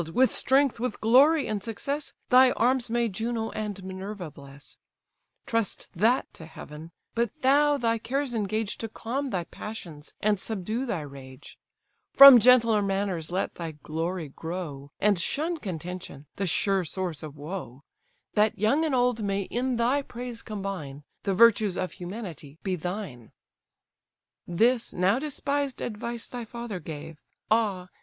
with strength, with glory, and success, Thy arms may Juno and Minerva bless! Trust that to Heaven: but thou, thy cares engage To calm thy passions, and subdue thy rage: From gentler manners let thy glory grow, And shun contention, the sure source of woe; That young and old may in thy praise combine, The virtues of humanity be thine—' This now despised advice thy father gave; Ah!